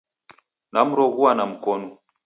Namroghua na mkonu